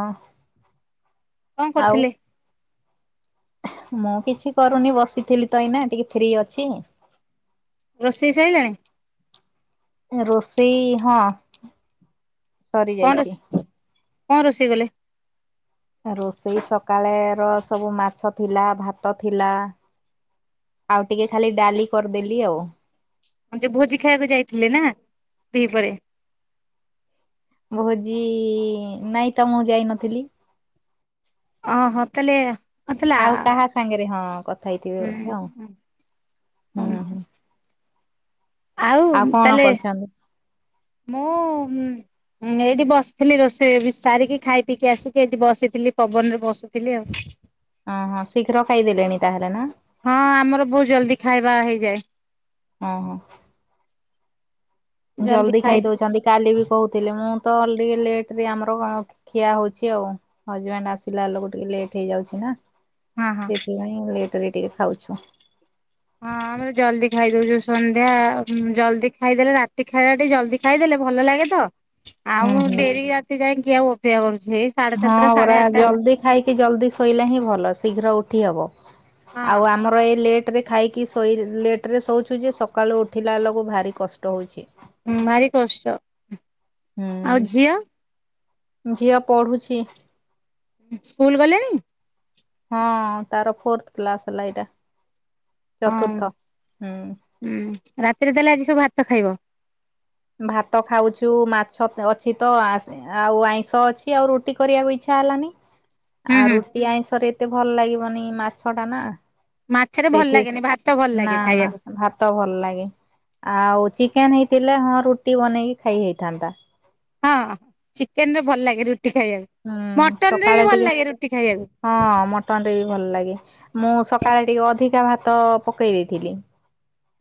ଅଁ, କଣ କରୁଥିଲେ? ମୁଁ କିଛି କରୁନି ବସିଥିଲି ତ ଏଇନା ଟିକେ ଫ୍ରି ଅଛି। ରୋଷେଇ ସଇଲାଣି? ଏ ରୋଷେଇ ହଁ। ସରି କଣ ଯାଇଛି। ରୋଷେ, କଣ ରୋଷେଇ କଲେ? ରୋଷେଇ ସକାଳେ ର ସବୁ ମାଛ ଥିଲା ଭାତ ଥିଲା। ଆଉ ଟିକେ ଖାଲି ଡାଲି କରିଦେଲି ଆଉ। ହଁ ଯୋଉ ଭୋଜି ଖାଇବାକୁ ଯାଇଥିଲେ ନା ଦିହିପରେ? ଭୋଜି ନାଇଁ ତ ମୁଁ ଯାଇନଥିଲି। ଅଁ, ହଁ ତାଲେ ଆଉ ତାଲେ ଆଉ ଆ, କାହା ସାଙ୍ଗରେ ହଁ କଥା ହେଇଥିବେ ହୁଁ, ବୋଧେ ଆଉ ଅଁ, ଅଁ, ହୁଁ ହଁ ହୁଁ। ଆଉ କଣ ତାଲେ କରୁଛନ୍ତି? ମୋ ହୁଁ ହୁଁ, ଏଇଟି ବସିଥିଲି ରୋଷେଇ ବି ସାରିକି ଖାଇ ପିଇକି ଆସିକି ଏଠି ବସିଥିଲି ପବନରେ ବସୁଥିଲି ଆଉ। [inaudible] ଅଁ, ହଁ ଶୀଘ୍ର ଖାଇଦେଲେଣି ତାହେଲେ ନା? ହଁ ଆମର ବହୁତ ଜଲଦି ଖାଇବା ହେଇଯାଏ। ଅଁ, ହଁ। ଜଲଦି ଖାଇ ଦଉଛନ୍ତି। କାଲି ବି କହୁଥିଲେ, ମୁଁ ତ ଲି- ଲେଟ୍ ରେ ଆମର ଅଁ, ଖିଆ ହୋଇଛି ଆଉ। ହଜବେଣ୍ଡ ଆସିଲା ଆଲୋକ ଟିକେ ଲେଟ୍ ହେଇଯାଉଛି ନା, ହଁ ହଁ। ସେଥିପାଇଁ ଲେଟ୍ ରେ ଟିକେ ଖାଉଛୁ। ହଁ ଆମର ଜଲଦି ଖାଇଦଉଚୁ, ସନ୍ଧ୍ୟା ହୁଁ, ଜଲଦି ଖାଇଦେଲେ ରାତି ଖାଇବା ଟି ଜଲଦି ଖାଇଦେଲେ ଭଲ ଲାଗେ ତ। ହୁଁ ଆଉ ହୁଁ। ଡେରି ରାତି ଯାଏ କିଏ ଆଉ ଅପେକ୍ଷା କରୁଛି, ହେଇ ସାଢେ ହଁ ସାତଟା ପରା ସାଢେ ଆଟା ଭିତ ଜଲ୍ଦି ଖାଇକି ଜଲଦି ଶୋଇଲେ ହିଁ ଭଲ, ଶୀଘ୍ର ଉଠି ହବ, ଆଉ ହଁ ଆମର ଏ ଲେ ଟ୍ ରେ ଖାଇକି ଶୋଇ ଲେଟ୍ ରେ ଶୋଉଛୁ ଯେ ସକାଳୁ ଉଠିଲା ବେଲକୁ ଭାରି କଷ୍ଟ ହଉଛି। ହୁଁ, ଭାରି କଷ୍ଟ। ଆଉ ହୁଁ ଝିଅ? ଝିଅ ପଢୁଛି। ସ୍କୁଲ୍ ଗଲାଣି? ହଁ ତାର ଫୋର୍ଥ କ୍ଲାସ୍ ହେଲା ଏଇଟା, ହଁ ଚତୁର୍ଥ ହୁଁ। ହୁଁ, ରାତିରେ ତାହେଲେ ଆଜି ସବୁ ଭାତ ଖାଇବ? ଭାତ ଖାଉଛୁ ମାଛ ଅଛି ତ ଆସେ। ଆଉ ଆଇଁଷ ଅଛି ଆଉ ରୁଟି କରିବାକୁ ଇଚ୍ଛା ହେଲାନି। ହୁଁ ଆ, ହୁଁ ରୁଟି ଆଇଁଷ ରେ ଏତେ ଭଲ ଲାଗିବନି ମାଛ ଟା ନା। ମାଛରେ ଭଲ ସେଇଠି ଲାଗେନି ଭାତ ଭଲ ନା, ଲାଗେ ନା ଖାଇବାକୁ ଭା ତ ଭଲ ଲାଗେ, ଆଉ ଚିକେନ୍ ହେଇଥିଲେ ହଁ ରୁଟି ବନେଇକି ଖାଇ ହେଇଥାନ୍ତା‌। ହଁ ଚିକେନ୍ ରେ ଭଲ ଲାଗେ ରୁଟି ଖାଇବାକୁ। ହୁଁ ମଟନ୍ ରେ ସକାଳେ ବି ଭଲ ଟିକେ ଲାଗେ ରୁଟି ଖାଇବାକୁ। ହଁ ମଟନ୍ ରେ ବି ଭଲ ଲାଗେ, ମୁଁ ସକାଳେ ଟିକେ ଅଧିକା ଭାତ ପକେଇ ଦେଇଥିଲି।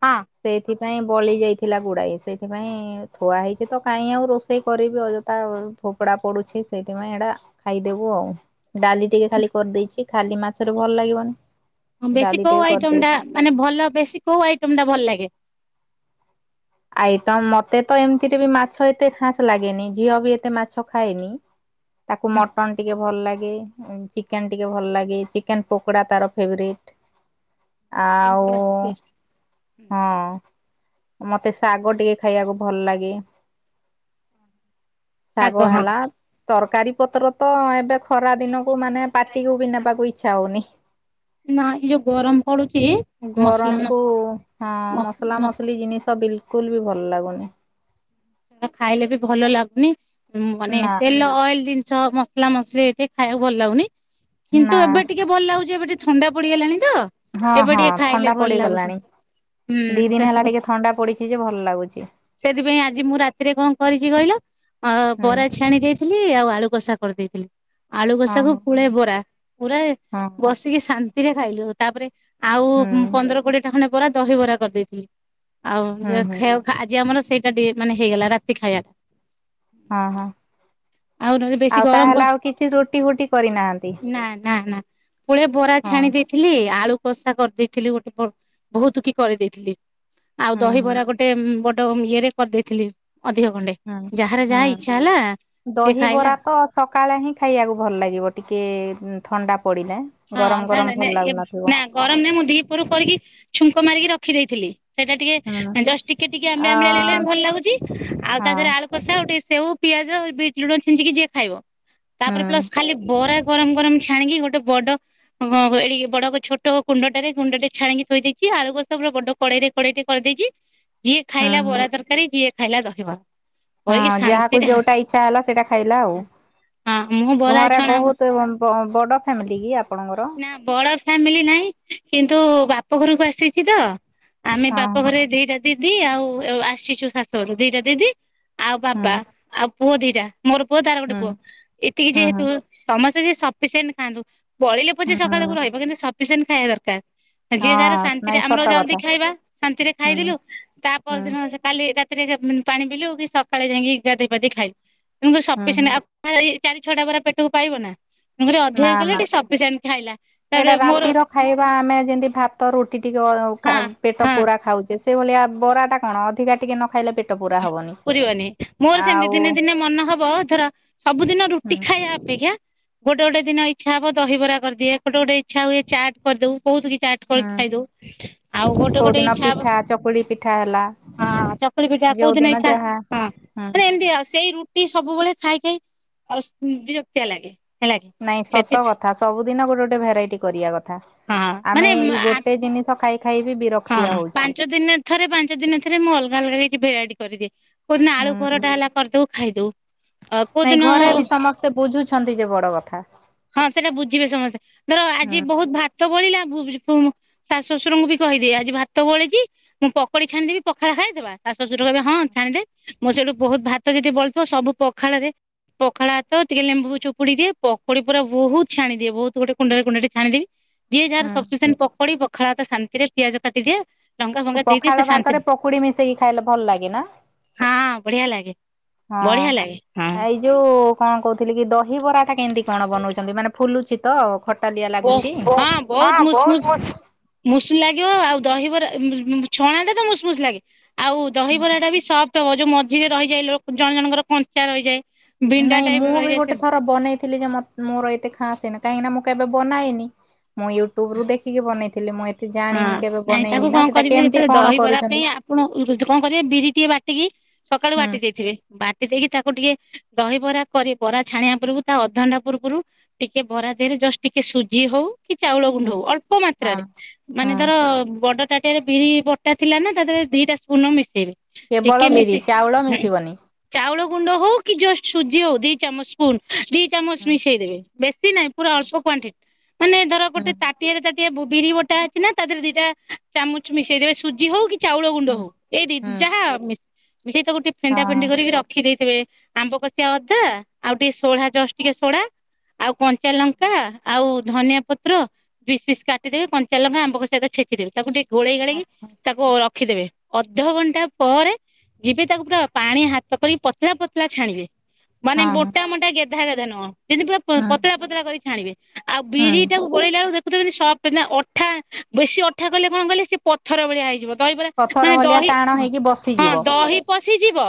ହଁ। ସେଇଥିପାଇଁ ବଲି ଯାଇଥିଲା ଗୁଡ଼ାଏ ସେଇଥିପାଇଁ ଥୁଆ ହେଇଛି ତ କାଇଁ ଆଉ ରୋଷେଇ କରିବି ଅଯଥା ଆଉ। ଫୋପଡା ପଡୁଚି ସେଇଥିପାଇଁ ଏଟା ଖାଇଦେବୁ ଆଉ। ଡାଲି ଟିକେ ଖାଲି କରିଦେଇଚି ଖାଲି ମାଛରେ ଭଲ ଲାଗିବନି। ହଁ ବେଶୀ ଡାଲି କଉ ଟିକେ ଆଇଟମ୍ ଟା କରିଦେଇଛି। ମାନେ ଭଲ ବେଶୀ କଉ ଆଇଟମ୍ ଟା ଭଲ ଲାଗେ? ଆଇଟମ୍ ମତେ ତ ଏମିତିରେ ବି ମାଛ ଏତେ ଖାସ୍ ଲାଗେନି ଝିଅ ବି ଏତେ ମାଛ ଖାଏନି। ତାକୁ ମଟନ୍ ଟିକେ ଭଲ୍ ଲାଗେ। ଚିକେନ୍ ଟିକେ ଭଲ ଲାଗେ ଚିକେନ୍ ପକୋଡ଼ା ତାର ଫେବରଇଟ୍। ଆଉ ହଁ। ମତେ ଶାଗ ଟିକେ ଖାଇବାକୁ ଭଲ ଲାଗେ। ଶାଗ ହେଲା ତରକାରୀ ପତ୍ର ତ ଏବେ ଖରା ଦିନକୁ ମାନେ ପାଟିକୁ ବି ନେବାକୁ ଇଚ୍ଛା ହଉନି। ନା ଏଇ ଯୋଉ ଗରମ ପଡୁଛି ମସଲା ଗରମ୍ କୁ ହଁ ମସଲା ମସଲି ଜିନିଷ ତ ବିଲ୍ କୁଲ୍ ବି ଭଲ ଲାଗୁନି। ସେଟା ଖାଇଲେ ବି ଭଲ ଲାଗୁନି ମାନେ ନା ତେଲ ଅଏଲ୍ ଜିନିଷ ମସ ମସଲା ମସଲି ଟିକେ ଖାଇବାକୁ ଭଲ ଲାଗୁନି ନା କିନ୍ତୁ ଏବେ ଟିକେ ଭଲ ଲାଗୁଚି ଏବେ ଟିକେ ଥଣ୍ଡା ପଡିଗଲାଣି ତ। ହଁ ଏବେ -ହଁ ଟିକେ ଖାଇଲେ ଥଣ୍ଡା ଭଲ ଲାଗୁଛି ପଡିଗଲାଣି। ହୁଁ ଦି ଦିନି ହେଲା ଟିକେ ଥଣ୍ଡା ପଡିଚି ଯେ ଭଲ୍ ଲାଗୁଚି। ସେଇଥିପାଇଁ ଆ ଆଜି ମୁଁ ରାତିରେ କଣ କରିଚି କହିଲ ଅ- ହୁଁ ବରା ଛାଣି ଦେଇଥିଲି ଆଉ ଆଳୁ କଷା କରିଦେଇଥିଲି। ଆଳୁ ହଁ କଷାକୁ ହଁ ପୁଳାଏ ବରା ପୁରା ଏ ହଁ। ବସିକି ଶାନ୍ତିରେ ଖାଇଲୁ। ତାପରେ ଆଉ ହୁଁ ପନ୍ଦର କୋଡିଏ ଟା ଖଣ୍ଡେ ବରା ଦହିିବରା କରିଦେଇଥିଲି ଆଉ ହୁଁ ଝିଅ ହୁଁ ଖାଇବାକୁ ଆଜି ଆମର ସେଇଟା ଟିକେ ମାନେ ହେଇଗଲା ରାତି ଖାଇବା। ହଁ ହଁ। ଆଉ ନହେଲେ ବେଶୀ ଆଉ ଗରମ ତାହେଲେ ଆଉ କିଛି ରୋଟି ଫୁଟି କରିନାହାନ୍ତି? ନା ନା ନା ପୁଳେ ବରା ହଁ ଛାଣି ଦେଇଥିଲି ଆଳୁ କଷା କରିଦେଇଥିଲି ଗୋଟେ ବ-ବହୁତ୍ କି କରିଦେଇଥିଲି। ଆଉ ହୁଁ ହୁଁ ଦହିବରା ଗୋଟେ ବଡ ଇଏରେ କରିଦେଇଥିଲି ଅଧିକ ଖଣ୍ଡେ। ହୁଁ ଯାହାର ହୁଁ। ଯାହା ଇଚ୍ଛା ହେଲା ସେ ଖାଇଲା। ଦହିବରା ତ ସକାଳେ ହିଁ ଖାଇବାକୁ ଭଲ ଲାଗିବ ଟିକେ ଥଣ୍ଡା ପଡିଲା ଗରମ୍ ଗରମ୍ ଭଲ୍ ଲାଗୁନଥିବ। ଗରମ୍ ରେ ମୁଁ ଦି ପହରୁ କରିକି ଛୁଙ୍କ ମାରିକି ରଖିଦେଇଥିଲି। ସେଇଟା ଟିକେ ହୁଁ ଜଷ୍ଟ୍ ଟିକେ ଟିକେ ଆ ଆମ୍ଳିଆ ଆମ୍ଳିଆ ଲାଗିଲାଣି ଭଲ ଲାଗୁଚି ଆଉ ତାଦିରେ ହଁ ଆଳୁ କଷା ଆଉ ଟିକେ ସେଉ, ପିଆଜ, ବିଟ୍ ଲୁଣ ଛିଞ୍ଚିକି ଯିଏ ଖାଇବ ହୁଁ ତାପରେ ପ୍ଲସ୍ ଖାଲି ବରା ଗରମ୍ ଗରମ୍ ଛାଣିକି ଗୋଟେ ବଡ ହ କଁ ଏଠି ବଡ ଛୋଟ କୁଣ୍ଡ ଟାରେ କୁଣ୍ଡ ଟେ ଛାଣିକି ଥୋଇ ଦେଇଛି ଆଳୁ କଷା ପୁରା ବଡ କଡେଇରେ କଡେଇ ଟେ କରିଦେଇଛି ଯିଏ ହୁଁ ଖାଇଲା ହୁଁ ବରା ତରକାରୀ ଯିଏ ଖାଇଲା ଦହିବରା। ହଁ କରିକି ଯାହାକୁ ଶାନ୍ତିରେ ଯୋଉଟା ଇଚ୍ଛା ହେଲା ସେଇଟା ଖାଇଲା ଆଉ ହଁ ମୁଁ ବରା ଘରେ ଛଣା ବହୁତ ବଡ଼ ଫ୍ୟାମିଲି କି ଆପଣଙ୍କର? ନା ବଡ ଫ୍ୟାମିଲି ନାହିଁ କିନ୍ତୁ ବାପ ଘରକୁ ଆସିଛି ତ ଆମେ ବାପ ହଁ ଘରେ ଦିଟା ଦିଦି ଆଉ ଆସିଛୁ ଶାଶୁଘରୁୁ ଦିଟା ଦିଦି ଆଉ ହଁ ବାବା ଆଉ ପୁଅ ଦିଟା ମୋର ପୁଅ ତାର ଗୋଟେ ହୁଁ ପୁଅ ଏତିକି ହୁଁ ହୁଁ ହୁଁ। ଯେହେତୁ ସମସ୍ତେ ଯିଏ ସଫିସିଏଣ୍ଟ ଖାଆନ୍ତୁ ବଳିଲେ ହୁଁ ପଛେ ସକାଳକୁୁ ରହିବ କିନ୍ତୁ ସଫିସିଣ୍ଟ ଖାଇବା ଦରକାର। ଯିଏ ଯାହାର ହଁ ଶାନ୍ତିରେ ନାଇଁ ଆମର ସତ ଜଲଦି କଥା ଖାଇବା ଶାନ୍ତିରେ ହୁଁ ହୁଁ ଖାଇଦଲୁ ତା ପରଦିନ ହୁଁ କାଲି ରାତିରେ ପାଣି ପିଇଲୁ କି ସକାଳେ ଯାଇକି ଗାଧୋଇ ପାାଧୋଇ ଖାଇଲୁ ତେଣୁ କରି ହୁଁ ସଫିସେଣ୍ଟ ଆଉ ଚାରି ଛଅଟା ବରା ପେଟକୁ ପାଇବ ନା ତେଣୁ କରି ଅଧିକ କଲେ ଟିକେ ସଫ ସେଇଟା ରାତିର ଖାଇବା ଆମେ ଯେମତି ଭାତ ରୁଟି ଟିକେ ଖା ହଁ ପେଟ ହଁ ପୁରା ଖାଉଚ଼େ ସେଇ ଭଳିଆ ବରା ଟା କଣ ଅଧିକା ଟିକେ ନ ଖାଇଲେ ପେଟ ପୁରା ହବନି। ପୁରିବନି ମୋର ସେମିତି ଆଉ ଦିନେ ଦିନେ ମନ ହବ ଧର ସବୁ ଦିନ ହୁଁ ରୁଟି ଖାଇବା ଅପେକ୍ଷା ଗୋଟେ ଗୋଟେ ଦିନ ଇଚ୍ଛା ହବ ଦହିବରା କରିଦିଏ ଗୋଟେ ଗୋଟେ ଇଚ୍ଛା ହୁଏ ଚାଟ୍ କରିଦଉ ବହୁତ୍ କି ଚାଟ୍ କରି ହୁଁ ଖାଇଦଉ ଆଉ ଗୋଟେ କୋଉ ଗୋଟେ ଦିନ ଇଚ୍ଛା ହବ ପିଠା ଚକୁଳି ପିଠା ହେଲା। ହଁ ଚକୁଳି ପିଠା ଯୋଉ କଉଦିନ ଦିନ ଇଚ୍ଛା ହଁ ଯାହା ହୁଁ ମାନେ ଏମ୍ ତି ଆଉ ସେଇ ରୁଟି ସବୁବେଳେ ଖାଇ ଖାଇ ଆଉ ବିରକ୍ତିଆ ଲାଗେ। ହେଲା କି ନାଇଁ ସେଥି ସତ କଥା ସବୁଦିନ ଗୋଟେ ଗୋଟେ ଭେରାଇଟି କରିବା କଥା। ହଁ ମାନେ ଆମେ ଏଇ ଗୋଟେ ଜିନିଷ ଖାଇ ଖାଇ ବି ବିର ହଁ ପାଞ୍ଚ ଦିନରେ ଥରେ ପାଞ୍ଚ ଦିନରେ ଥରେ ମୁଁ ଅଲଗା ଅଲଗା କିଛି ଭେରାଇଟି କରିଦିଏ। କଉଦିନ ଆଳୁ ହୁଁ ପରଟା ହେଲା କରିଦଉ ଖାଇଦଉ। ଅ କୋଉ ନାଇଁ ଦିନ ଘରେ ବି ସମସ୍ତେ ବୁଝୁଛନ୍ତି ଯେ ବଡ କଥା। ହଁ ସେଟା ବୁଝିବେ ସମସ୍ତେ ଧର ହୁଁ ଆଜି ବହୁତ୍ ଭାତ ବଳିଲା [unintelligible] ଶାଶୁ ଶଶୁରଙ୍କୁ ବି କହିଦିଏ ଆଜି ଭାତ ବଳିଚି ମୁଁ ପକଡି ଛାଣିଦବି ପଖାଳ ଖାଇଦବା ତାପରେ ଶଶୁର କହିବେ ହଁ ଛାଣିଦେ। ମୁଁ ସେଇଠୁ ବହୁତ୍ ଭାତ ଯଦି ବଳିଥିବ ସବୁ ପଖାଳ ରେ ପଖାଳ ଭାତ ଟିକେ ଲେମ୍ବୁକୁ ଚୁପୁଡି ଦିଏ ପକୁଡି ପୁରା ବହୁତ୍ ଛାଣିଦିଏ ବହୁତ୍ ଗୋଟେ କୁଣ୍ଡରେ କୁଣ୍ଡଟେ ଛାଣିଦିଏ। ଯିଏ ଯାହାର ହୁଁ ସଫିସେଣ୍ଟ୍ ପକଡି ପଖାଳ ଭାତ ଶାନ୍ତିରେ ପିଆଜ କାଟିଦିଏ ଲଙ୍କା ଫଙ୍କା ଦେଇଦିଏ ସେ ପଖାଳ ଶାନ୍ତିରେ ଭାତରେ ପକୁଡି ମିଶେଇକି ଖାଇଲେ ଭଲ ଲାଗେ ନା। ହଁ ବଢିଆ ଲାଗେ ବଢିଆ ଲାଗେ ହଁ। ଯଉ କଣ କହୁଥିଲି କି ଦହିିବରାଟା କେମିତି କଣ ବନଉଚନ୍ତି ମାନେ ଫୁଲୁଚି ତ ଖ ତାଲିଆ ଲାଗୁଚି ବ- ବହୁତ ହଁ ମୁସ୍ ମୁସ୍ ବହୁତ୍ ବହୁ ମୁସ୍ ଲାଗିବ ଆଉ ଦହିବରା- ଛଣା ଟା ତ ମୁସ୍ ମୁସ୍ ଲାଗେ ଆଉ ଦହିବରାଟା ବି ସଫ୍ଟ୍ ତ ଯଉ ମଝିରେ ରହିଯାଏ ଲୋ-ଜଣେ ଜଣଙ୍କର କଞ୍ଚା ରହିଯାଏ ବିଣ୍ଡା ନାଇଁ ଟାଇପ୍ ମୁଁ ବି ରହିଯାଏ ଗୋଟେ ସେ ଥର ବନେଇଥିଲି ଯେ ମ-ମୋର ଏତେ ଖାସ୍ ହେଇନି କାହିଁକି ନା ମୁଁ କେବେ ବନାଏନି। ମୁଁ ୟୁଟ୍ୟୁବ୍ ରୁ ଦେଖିକି ବନେଇଥିଲି ମୁଁ ଏତେ ଜାଣିନି ହଁ କେବେ ନାଇଁ ତାକୁ ବନେଇନି ନା କଣ ସେଟା କରିବେ କେମିତି ଯେତେବେଳେ କଣ ଦହିବରା ପାଇଁ କରୁଚନ୍ତି? ଆପଣ କଣ କରିବେ ବିରି ଟିକେ ବାଟିକି ସକାଳୁ ହୁଁ ବାଟି ଦେଇଥିବେ ବାଟି ଦେଇକି ତାକୁ ଟିକେ ଦହିବରା କରି ବରା ଛାଣିବା ପୂର୍ବରୁ ତା ଅଧଘଣ୍ଟା ପୂର୍ବରୁ ଟିକେ ବରା ଦେହରେ ଜଷ୍ଟ୍ ଟିକେ ସୁଜି ହଉ କି ଚାଉଳ ଗୁଣ୍ଡ ହୁଁ ହଉ ଅଳ୍ପ ହଁ ମାତ୍ରାରେ ମାନେ ହଁ ଧର ବଡ ତାଟିଆରେ ବିରି ବଟା ଥିଲା ନା ତାଦେହରେ ଦିଟା ସ୍ପୁନ୍ ମିଶେଇବି। କେବଳ ଟିକେ ବିରି ମିଶି ଚାଉଳ ମିଶିବନି। ଚାଉଳ ଗୁଣ୍ଡ ହଉ କି ଜଷ୍ଟ୍ ସୁଜି ହଉ ଦି ଚାମଚ୍ ସ୍ପୁନ୍ ଦି ଚାମଚ୍ ହୁଁ ମିଶେଇଦେବେ। ବେଶୀ ନାହିଁ ପୁରା ଅଳ୍ପ କ୍ଵାଣ୍ଟିଟି ମାନେ ଧର ହୁଁ ଗୋଟେ ହୁଁ ତାଟିଆରେ ତାଟିଏ ବିରି ବଟା ଅଛି କିନା ତା ଦେହରେ ଦିଟା ଚାମଚ୍ ମିଶେଇଦେବେ ସୁଜି ହଉ କି ଚାଉଳ ଗୁଣ୍ଡ ହୁଁ ହଉ ଏଇ ଦି ହୁଁ ଯାହା ମିଶେ ବିରି ତକୁ ଗୋଟେ ଫେଣ୍ଟା ଫେଣ୍ଟି କରିକି ରଖି ଦେଇଥିବେ। ଆମ୍ବ କଷିଆ ଅଦା ଆଉ ଟିକେ ସୋଢା ଜଷ୍ଟ୍ ଟିକେ ସୋଢା ଆଉ କଞ୍ଚା ଲଙ୍କା ହଁ। ଆଉ ଧନିଆ ପତ୍ର ପିସ୍ ପିସ୍ କାଟିଦେବେ କଞ୍ଚା ଲଙ୍କା ଆମ୍ବ କଷିଆ ଅଦା ଛେଚିଦେବେ ତାକୁ ଟିକେ ଗୋଳେଇ ଗୋଳାକି ଆଚ୍ଛା ତାକୁ ରଖିଦେବେ ଅଧ ଘଣ୍ଟା ପରେ ଯିବେ ତାକୁ ପୁରା ପାଣି ହାତ କରିକି ପତଳା ପତଳା ଛାଣିବେ। ମାନେ ହଁ ହଁ ମୋଟା ମୋଟା ଗେଧା ଗେଧା ନୁହଁ ଯେମିତି ପୁରା ହୁଁ ପତଳା ପତଳା କରି ଛାଣିବେ। ଆଉ ହୁଁ ବିରି ଟାକୁ ଗୋଳେଇଲା ବେଳକୁ ଦେଖୁଥିବ ଯେମିତି ସଫ୍ଟ୍ ଅ ବେଶୀ ଅଠା କଲେ କଣ କହିଲେ ସେ ପଥର ଭଳିଆ ହେଇଯିବ। ଦହିବରା ପଥର ମାନେ ଭଳିଆ ଦହି ଟାଣ ହେଇକି ହଁ ବସିଯିବ। ଦହି ପଶିଯିବ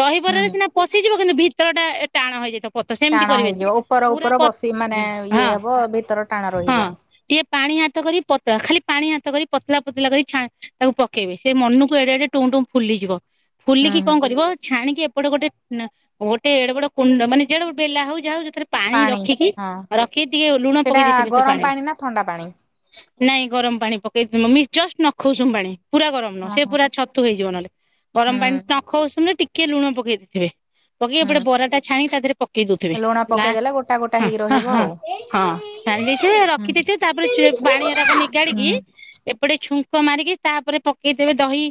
ଦହିିବରା ହୁଁ ସିନା ପଶିଯିବ କିନ୍ତୁ ଭିତର ଟା ଏ- ଟାଣ ହେଇଯାଇଥିବ। ପତ- ସେମିତି ଟାଣ କରିବେ ହେଇଯିବ ଉପର ପୁରା ଉପର ପ- ବସି ମାନେ ହଁ ଇଏ ହବ ଭିତର ଟାଣ ରହିବ। -ହଁ ଟିକେ। ପାଣି ହାତ କରି ପତଳା ଖାଲି ପାଣି ହାତ କରି ପତଳା ପତଳା କରି ଛା ତାକୁ ପକେଇବେ ସେ ମନକୁ ଏଡେ ଏଡେ ଟୁମ୍ ଟୁମ୍ ଫୁଲିଯିବ ହୁଁ ଫୁଲିକି ହୁଁ କଣ କରିବ ଛାଣିକି ଏପଟେ ଗୋଟେ ଗୋଟେ ଏଡ ବଡ କୁଣ୍ଡ ମାନେ ଯେଡେ ବେଲା ହଉ ଯାହଉ ଯଉଥିରେ ପାଣି ରଖିକି ରଖିକି ଟିକେ ଲୁଣ ସେଇଟା ପକେଇ ଦେଇଥିବେ ସେ ଗରମ ପାଣିରେ। ପାଣି ନା ଥଣ୍ଡା ପାଣି। ନାଇଁ ଗରମ ପାଣି ପକେଇଦ ମି ଜଷ୍ଟ ନଖଉସୁ ପାଣି। ପୁରା ଗରମ ନହ ହଁ ସେ ହଁ ପୁରା ଛତୁ ହେଇଯିବ ନହେଲେ ଗରମ ହୁଁ ପାଣି ନଖସୁନେ ଟିକେ ଟଏ ଲୁଣ ପକେଇ ଦେଇଥିବେ ପକେଇକି ଏପଟେ ହୁଁ ବରା ଟା ଛାଣି ତା ଦେହରେ ପକେଇ ଦଉଥିବେ ଲୁଣ ଲା ପକେଇଦେଲେ ଗୋଟା ଗୋଟା ହ ହେଇକି ହଁ ରହିବ ହଁ ଆଉ। ହଁ ଛାଣି ଦେଇଥିବେ ହୁଁ ରଖିଦେଇଥିବେ ତାପରେ ଚି ପାଣି ହୁଁ ନିଗାଡିକି ଏପଟେ ଛୁଙ୍କ ମାରିକି ତାପରେ ପକେଇଦେବେ ଦହି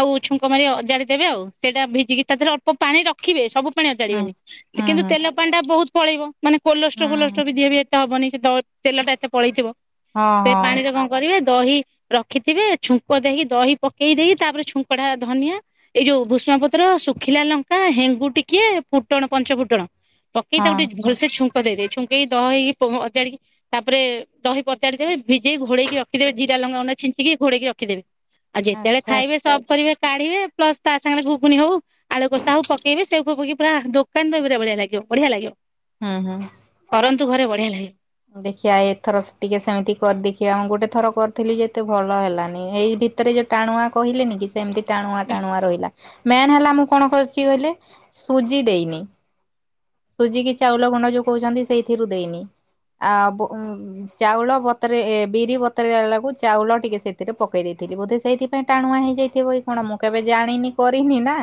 ଆଉ ଛୁଙ୍କ ମାରି ଅଜାଡି ଦେବେ ଆଉ ସେଇଟା ଭିଜିକି ତା ଦେହରେ ଅଳ୍ପ ପାଣି ରଖ ରଖିବେ ସବୁ ହୁଁ। ପାଣିଚାଡ଼ିବେନି ହୁଁ କିନ୍ତୁ ହୁଁ ତେଲ ପାଣି ଟା ବହୁତ ପଳେଇବ ମାନେ କୋଲଷ୍ଟ୍ରୋ ହୁଁ ଫୋଲଷ୍ଟ୍ରୋ ବି ଦି ଏତେ ହବନି ସେ ତ ତେଲଟା ଏତେ ପଳେଇଥିବ। ହଁ ହଁ। ପାଣି କଣ କରିବେ ଦହି ରଖିଥିବେ ଛୁଙ୍କ ଦେଇି ଦହି ପକେଇ ଦେଇେଇ ତାପରେ ଛୁଙ୍କ ଟା ଧନିଆ ଏଇ ଯୋଉ ଭୂଷ୍ମା ପତ୍ର ଶୁଖିଲା ଲଙ୍କା ହେଙ୍ଗୁ ଟିକେ ଫୁଟଣ ପଞ୍ଚ ଫୁଟଣ ପକେଇ ତାକୁ ହଁ ଗୋଟେ ଭଲସେ ଛୁଙ୍କ ଦେଇଦେ ଛୁଙ୍କେଇି ଦହିକି ପଜାଡିକି ତାପରେ ଦହି ପଚାଦବେ ଭିଇକ ଘୋଡେକି ରଖିଦେବେ ଜିରା ଲଙ୍କା ଗୁଣ୍ଡ ଛିଞ୍ଚି ଘଡ଼େଇକି ରଖିଦେବେ। ଆଉ ଯେତେବେଳେ ଆଚ୍ଛା। ଖାଇବେ ସବ କରିବେ କାଢ଼ିବେ ପ୍ଲସ୍ ତା ସାଙ୍ଗରେ ଘୁଗୁନି ହଉ। ଆଳୁ କଷାକୁ ପକେଇବି ସେଇ ଫେଉ ପକେଇ କି ପୁରା ଦୋକାନ ଦହି ବରା ପୁରା ବଢିଆ ଲାଗିବ ହଁ ହଁ। କରନ୍ତୁ ଘରେ ବଢିଆ ଲାଗେ। ଦେଖିବା ଏଇଥର ଟିକେ ସେମିତି କରି ଦେଖିବା ମୁଁ ଗୋଟେ ଥର କରିଥିଲି ଯେତେ ଭଲ ହେଲାନି ଏଇ ଭିତ ଭରେ ଯୋଉ ଟାଣୁଆ କହେନି କି ସେମିତି ଟାଣୁଆ ଟାଣୁଆ ରହିଲା। ମେନ୍ ହେଲା ମୁଁ କଣ କରୁଛି କହିଲେ ସୁଜି ଦେଇନି। ସୁଜି କି ଚାଉଳ ଗୁଣ୍ଡ ଯୋଉ କହୁଛନ୍ତି ସେଇଥିରୁ ଦେଇନି। ଆଉ ବୁ ଉଁ ଚାଉଳ ବତରେ ଏ ବିରି ବତରେଲାକୁ ଚାଉଳ ଟିକେ ସେ ସେଥିରେ ପକେଇ ଦେଇେଇଥିଲି ବୋଧେ ସେଇଥିପାଇଁ ଟାଣୁଆ ହେଇଯାଇଥିବ କି କଣ ମୁଁ କେବେ ଜାଣିନି କରିନି ନା।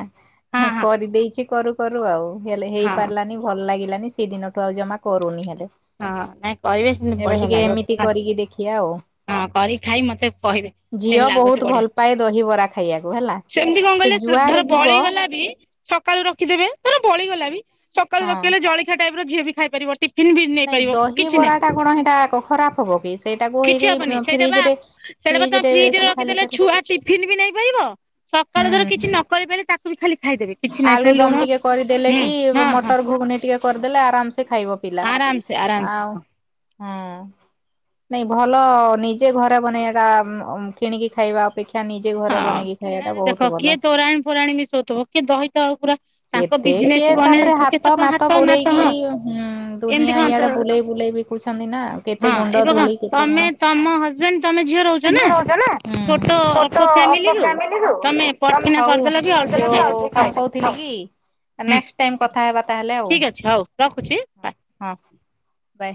ହଁ ହଁ କରିଦେଇଛି କରୁ କରୁ ଆଉ ହେଲେ ହଁ ହେଇପାରିଲାନି ଭଲ ଲାଗିଲାନି ସେଇଦିନଠୁ। ଠୁ ଆଉ ଜମା କରୁନି ହେଲେ। ହଁ ନାଇଁ କରିବେ। ସେମିତି ଏବେ ବଢିଆ ଟିକେ ଲାଗିବ। ଏମିତି କରିକି ଦେଖିବା ଆଉ। ହଁ କରି ଖାଇ ମତେ କହିବେ କେମିତି ଝିଅ ଲାଗୁଛି ବହୁତ ବଢିଆ ଭଲ ପାଏ ଦହିିବରା ଖାଇବାକୁ ହେଲା। ସେମିତି କଣ ସେ କହିଲେ ଯୁଆଡେ ଧର ବଳି ଯିବ ଗଲା ବି ସକାଳୁ ରଖିଦେବେ ଧର ବଳିଗଲା ବି ସକାଳୁ ହଁ ରଖିେଲେ ଜଳଖିଆ ଟାଇପ ର ଝିଅ ବି ଖାଇପାରିବ। ଟିଫିନ ବି ନାଇଁ ନେଇପାରିବ ଦହି କିଛି ବରା ନାହିଁ ଟା କଣ ଏଇଟା ଖରାପ ହବ କି। ସେଇଟାକୁ କିଛି ଏଇଠି ହବନି ସେଇଟା ବା ଫ୍ରିଜ ରେ ସେଇଟା ବା ଫ୍ରିଜ ତମେ ରେ କି ଫ୍ରିଜରେ ରଖିଦେଲେ ଖାଲିଟାରେ ଛୁଆ ଟିଫନ୍ ବି ନେଇ ପାରିବ। ସକାଳ ଧର କିଛି ନ କରି ପାରେ ତାକୁ ବି ଖାଲି ଖାଇଦେବେ। କିଛି ନାହିଁ ଆଲୁ ଖାଲି ଲୁଣ ଦମ ଟିକେ କରିଦେଲେ ହୁଁ କି ହଁ ହଁ ମଟର ଘୁଗନୀ ଟିକେ କରିଦେଲେ ଆରାମସେ ଖାଇବ। ପିଲା ଆରାମସେ ଆରାମସେ ଆଉ ହଁ ହୁଁ ନାଇଁ ଭଲ ନିଜେ ଘରେ ବନେଇ ଏଟା କିଣିକି ଖାଇବା ଅପେକ୍ଷା ନି ହଁ କିଣାରେ ଦେଖ କିଏ ତୋରାଣ ଫୋରାଣୀ ମିଶୋଉଥିବ କିଏ ଦହିତ ପୁରା ତାଙ୍କ କେତେ ବିଜନେସ କିଏ କୁ ତାପରେ ଅନେଇ କେତେ ହାତ କଣ ମାତ ନାତ ହଁ ବୁରେଇକିଁ ହୁଁ ଏମିତି ଦୁନିଆ କଣ ଇଆଡେ ତ ବୁଲେଇ ବୁଲେଇବ [inaudible] ନା କେତେ ହଁ ଗୁଣ୍ଡ ଏବେ କଣ ଧୂଳି କେତେ ତମେ କଣ ତମ ହଜବେଣ୍ଡ ତମେ ଝିଅ ରହୁଛ ନା ଛୋଟ ତ ଅଳ୍ପ ଫ୍ୟାମିଲି ଅପା କୁ ଫାମିଲି ରୁ ତମେ ପଟକିନା ହୋଉ କରିଦେଲ କି ଅଳ୍ପ ଖାଇଦେଲ ଯୋଉଁ କ ହଉ କହୁଥିଲି କି ହୁଁ ନେଷ୍ଟ ଟାଇ କଥା ହେବା ତାହେଲେ ଆଉ? ଠିକ ଅଛି ହଉ ରଖୁଛି ବାଏ। ହଁ ବଏ।